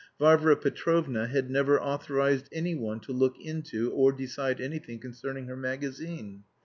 Varvara Petrovna had never authorised anyone to look into or decide anything concerning her magazine.